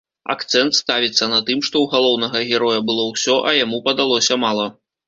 Акцэнт ставіцца на тым, што ў галоўнага героя было ўсё, а яму падалося мала.